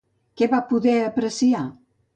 Què va poder apreciar?